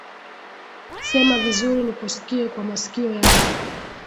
Sema vizuri nikuskie kwa masikio yangu